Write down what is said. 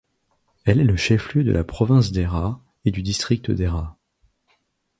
Elle est le chef-lieu de la province d'Hérat et du district d'Hérat.